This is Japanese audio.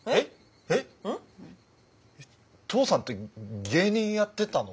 んっ？え父さんって芸人やってたの？